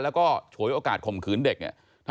แล้วก็ฉวยโอกาสข่มขืนเด็กเนี่ย